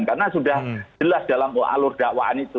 karena sudah jelas dalam alur dakwaan itu